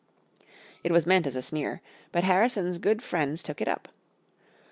It was meant as a sneer, but Harrison's good friends took it up.